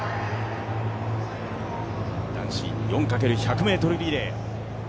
男子４×１００ｍリレー。